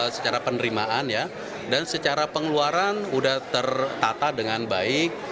secara penerimaan ya dan secara pengeluaran sudah tertata dengan baik